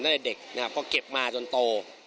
ตั้งแต่เด็กนะครับเพราะเก็บมาจนโต